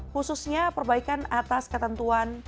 khususnya perbaikan atas ketentuan